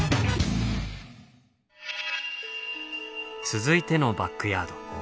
続いてのバックヤード。